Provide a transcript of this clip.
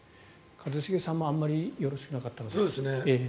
一茂さんもあまりよろしくなかったので。